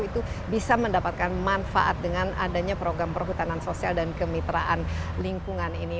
itu bisa mendapatkan manfaat dengan adanya program perhutanan sosial dan kemitraan lingkungan ini